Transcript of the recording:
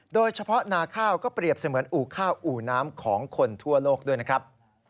นาข้าวก็เปรียบเสมือนอู่ข้าวอู่น้ำของคนทั่วโลกด้วยนะครับ